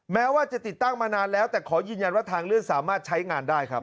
แม้ว่าจะติดตั้งมานานแล้วแต่ขอยืนยันว่าทางเลื่อนสามารถใช้งานได้ครับ